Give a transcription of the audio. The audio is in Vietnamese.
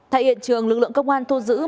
thay hiện trường lực lượng công an thu giữ